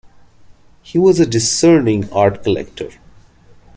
He was a discerning art collector.